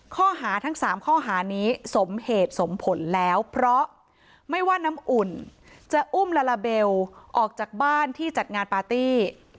ข้อหาทั้ง๓ข้อหานี้สมเหตุสมผลแล้วเพราะไม่ว่าน้ำอุ่นจะอุ้มลาลาเบลออกจากบ้านที่จัดงานปาร์ตี้